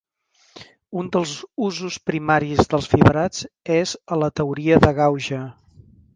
Un dels usos primaris dels fibrats és a la teoria de gauge.